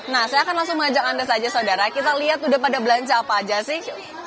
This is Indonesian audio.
nah saya akan langsung mengajak anda saja saudara kita lihat udah pada belanja apa aja sih